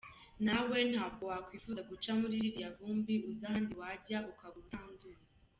Nawe ntabwo wakwifuza guca muri ririya vumbi uzi ahandi wajya ukagura utanduye.